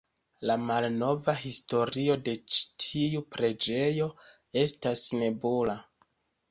La malnova historio de ĉi tiu preĝejo estas nebula.